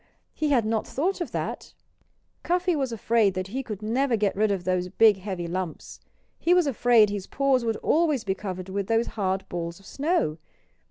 He had not thought of that. Cuffy was afraid that he could never get rid of those big heavy lumps. He was afraid his paws would always be covered with those hard balls of snow.